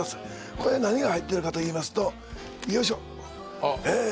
これ何が入ってるかといいますとよいしょえ